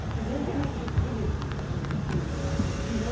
全然事実なので大丈夫です。